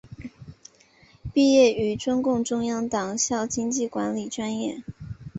毕业于中共中央党校经济管理专业。